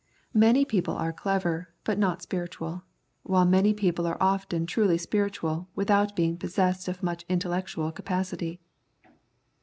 Many people are clever, but not spiritual, while many people are often truly spiritual without being possessed of much intellectual capacity.